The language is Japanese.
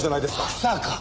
まさか！